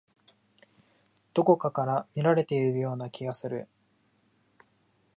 どこかから見られているような気がする。